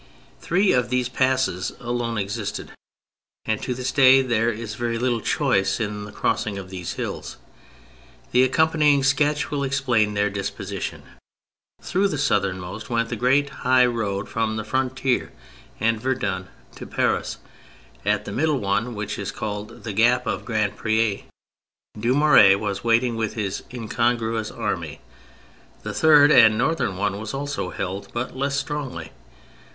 Three of these passes alone existed, and to this day there is very little choice in the crossing of these hills. The accompanying sketch will explain their disposition. Through the southernmost went the great high road from the frontier and Verdun to Paris. At the middle one (which is called the Gap of Grandpre) Dumouriez was waiting with his incongruous army. The third and northern one was also held, but less strongly.